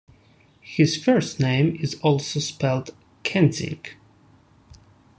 His first name is also spelled "Kentzing".